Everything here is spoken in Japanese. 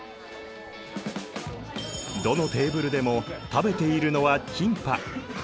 どのテーブルでも食べているのはキンパ。